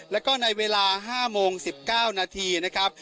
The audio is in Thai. แล้วก็ในเวลา๕โมง๑๙นาทีนะครับ